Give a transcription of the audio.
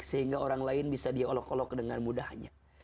sehingga orang lain bisa dia olok olok dengan mudahnya